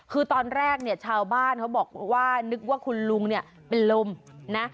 คือตอนแรกเนี่ยชาวบ้านเขาบอกว่านึกว่าคุณลุงเนี่ยเป็นลมนะ